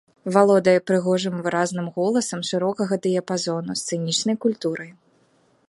Валодае прыгожым выразным голасам шырокага дыяпазону, сцэнічнай культурай.